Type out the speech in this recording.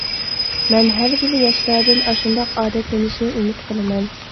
مەن ھەر بىر ياشلاردىن ئاشۇنداق ئادەتلىنىشىنى ئۈمىد قىلىمەن.